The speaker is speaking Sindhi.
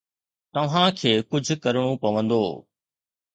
توهان کي ڪجهه ڪرڻو پوندو.